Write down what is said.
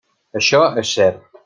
Això és cert.